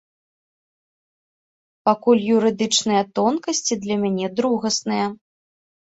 Пакуль юрыдычныя тонкасці для мяне другасныя.